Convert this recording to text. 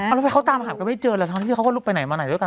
ทำไมเขาตามหากันไม่เจอเลยทั้งที่เขาก็ลุกไปไหนมาไหนด้วยกัน